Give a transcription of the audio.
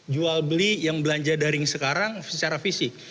jual beli yang belanja daring sekarang secara fisik